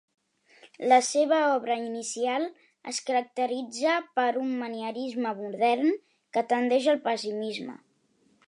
La seva obra inicial es caracteritza per un manierisme modern, que tendeix al pessimisme.